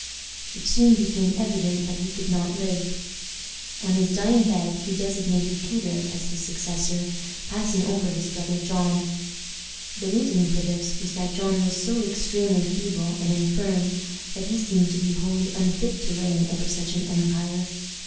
It soon became evident that he could not live. On his dying bed he designated Peter as his successor, passing over his brother John. The reason for this was that John was so extremely feeble and infirm that he seemed to be wholly unfit to reign over such an empire.